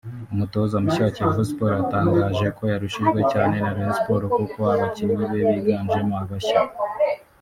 umutoza mushya wa Kiyovu Sport yatangaje ko yarushijwe cyane na Rayon Sport kuko abakinnyi be biganjemo abashya